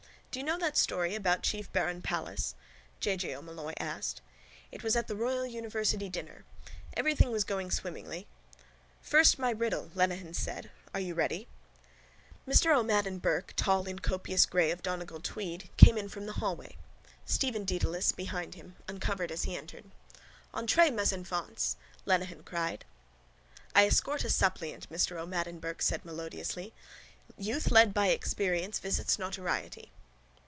—Do you know that story about chief baron Palles? J. J. O'Molloy asked. It was at the royal university dinner. Everything was going swimmingly ... —First my riddle, Lenehan said. Are you ready? Mr O'Madden Burke, tall in copious grey of Donegal tweed, came in from the hallway. Stephen Dedalus, behind him, uncovered as he entered. —Entrez, mes enfants! Lenehan cried. —I escort a suppliant, Mr O'Madden Burke said melodiously. Youth led by Experience visits Notoriety.